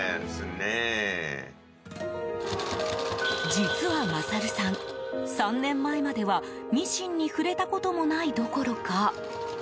実は勝さん、３年前まではミシンに触れたこともないどころか